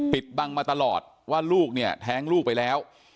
ปิดบังมาตลอดว่าลูกเนี่ยแท้งลูกไปแล้ว